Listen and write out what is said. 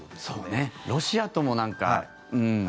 そうねロシアともなんか。